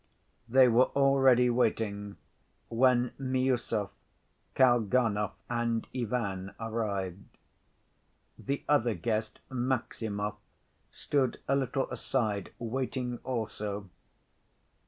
They were already waiting when Miüsov, Kalganov, and Ivan arrived. The other guest, Maximov, stood a little aside, waiting also.